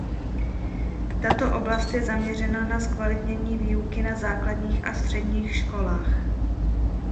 Tato oblast je zaměřena na zkvalitnění výuky na základních a středních školách.